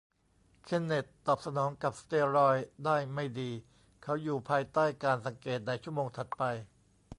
เคนเนธตอบสนองกับสเตียรอยด์ได้ไม่ดี เขาอยู่ภายใต้การสังเกตในชั่วโมงถัดไป